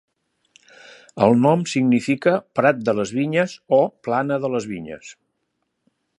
El nom significa "prat de les vinyes" o "plana de les vinyes".